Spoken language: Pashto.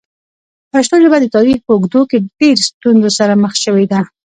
پښتو ژبه د تاریخ په اوږدو کې ډېرو ستونزو سره مخ شوې ده.